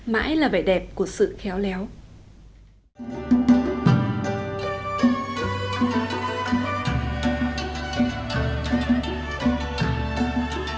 mãi là vẻ đẹp của sự kinh tế thị trường